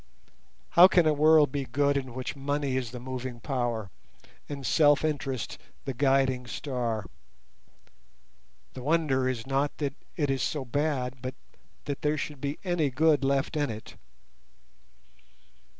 How can a world be good in which Money is the moving power, and Self interest the guiding star? The wonder is not that it is so bad, but that there should be any good left in it.